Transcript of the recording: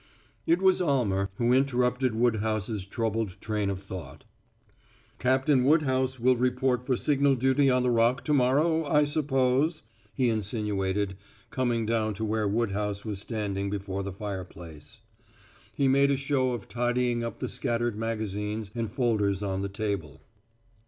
It was Almer who interrupted Woodhouse's troubled train of thought. "Captain Woodhouse will report for signal duty on the Rock to morrow, I suppose?" he insinuated, coming down to where Woodhouse was standing before the fireplace. He made a show of tidying up the scattered magazines and folders on the table.